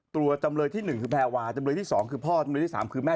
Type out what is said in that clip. จำเลยที่๑คือแพรวาจำเลยที่๒คือพ่อจำเลยที่๓คือแม่